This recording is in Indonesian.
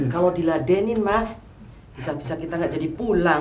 kalau diladenin mas bisa bisa kita nggak jadi pulang